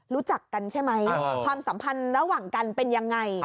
รู้จักกันใช่ไหมความสัมพันธ์ระหว่างกันเป็นยังไง